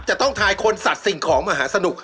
จะต้องทายคนสัตว์สิ่งของมหาสนุก